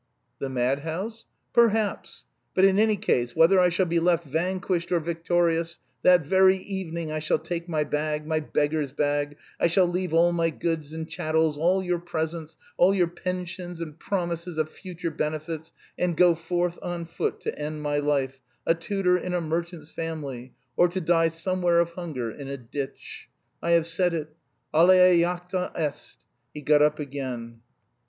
"The madhouse?" "Perhaps. But in any case, whether I shall be left vanquished or victorious, that very evening I shall take my bag, my beggar's bag. I shall leave all my goods and chattels, all your presents, all your pensions and promises of future benefits, and go forth on foot to end my life a tutor in a merchant's family or to die somewhere of hunger in a ditch. I have said it. Alea jacta est." He got up again.